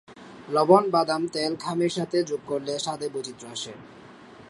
লবণ, বাদাম তেল খামির সাথে যোগ করলে স্বাদে বৈচিত্র্য আসে।